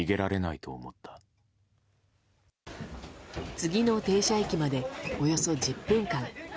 次の停車駅までおよそ１０分間。